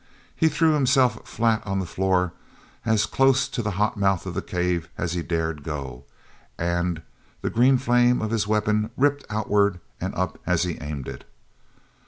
He threw himself flat on the floor as close to the hot mouth of the cave as he dared go, and the green flame of his weapon ripped outward and up as he aimed it.